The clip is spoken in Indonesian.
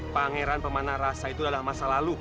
pangeran pemandang rasa itu adalah masa lalu